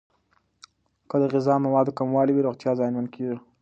که د غذا موادو کموالی وي، روغتیا زیانمن کیږي.